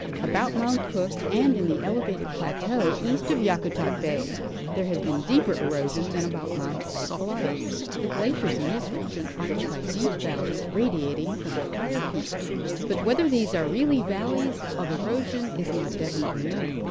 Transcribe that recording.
About Mount Cook, and in the elevated plateau east of Yakutat bay, there has been deeper erosion than about Mount St. Elias. The glaciers in this region occupy deep valleys radiating from the higher peaks ; but whether these are really valleys of erosion is not definitely known.